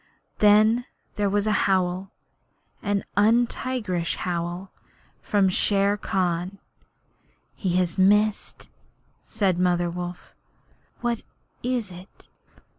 Then there was a howl an untigerish howl from Shere Khan. He has missed,' said Mother Wolf. 'What is it?'